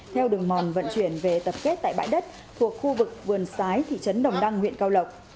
theo đường mòn vận chuyển về tập kết tại bãi đất thuộc khu vực vườn sái thị trấn đồng đăng huyện cao lộc